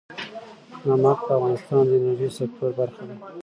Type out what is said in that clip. نمک د افغانستان د انرژۍ سکتور برخه ده.